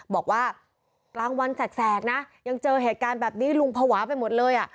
บอกว่ากลางวันแสกนะยังเจอเหตุการณ์แบบนี้ลุงภาวะไปหมดเลยอ่ะ